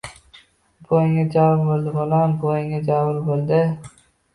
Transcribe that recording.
Buvangga jabr bo‘ldi, bolam, buvangga jabr bo‘ldi...